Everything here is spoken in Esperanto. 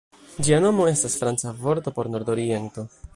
Ĝia nomo estas la franca vorto por "nord-oriento".